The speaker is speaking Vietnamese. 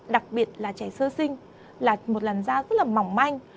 đặc biệt là trẻ sơ sinh là một làn da rất là mỏng manh